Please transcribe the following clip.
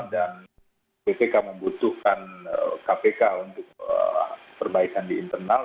dan bpk membutuhkan kpk untuk perbaikan di internal